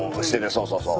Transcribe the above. そうそうそう。